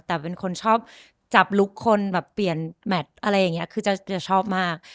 แต่เป็นคนชอบจับลุคคนแบบเปลี่ยนแมทอะไรอย่างนี้คือจะชอบมาก